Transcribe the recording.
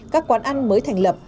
các quán ăn mới thành lập